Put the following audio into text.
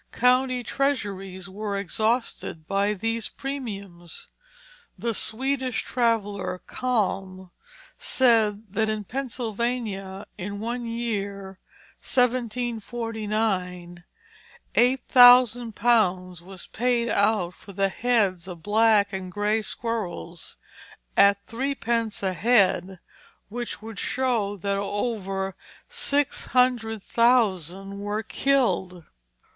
County treasuries were exhausted by these premiums. The Swedish traveller, Kalm, said that in Pennsylvania in one year, 1749, £8000 was paid out for heads of black and gray squirrels, at threepence a head, which would show that over six hundred thousand were killed.